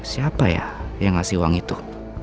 siapa ya yang ngasih uang itu